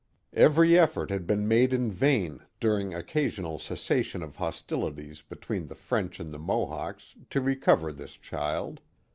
Every effort had been made in vain during occasional ces sations of hostilities between the French and the Mohawks to recover this child.